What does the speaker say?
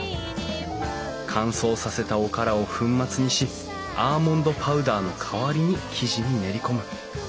乾燥させたおからを粉末にしアーモンドパウダーの代わりに生地に練り込む。